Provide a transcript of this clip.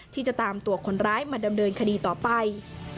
ที่จะตามตัวคนร้ายมาดำเนินคดีต่อไป